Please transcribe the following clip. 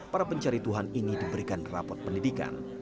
para pencari tuhan ini diberikan rapot pendidikan